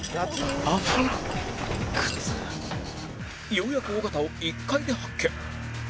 ようやく尾形を１階で発見